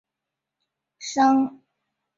在佛律癸亚或吕底亚出生。